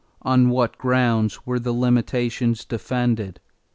On what grounds were the limitations defended?